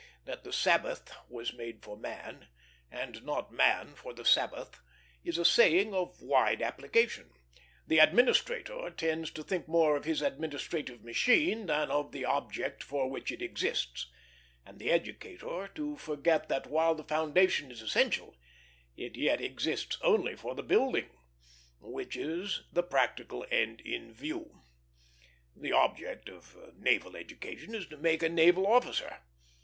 That the Sabbath was made for man, and not man for the Sabbath, is a saying of wide application. The administrator tends to think more of his administrative machine than of the object for which it exists, and the educator to forget that while the foundation is essential, it yet exists only for the building, which is the "practical" end in view. The object of naval education is to make a naval officer.